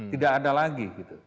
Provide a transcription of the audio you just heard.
tidak ada lagi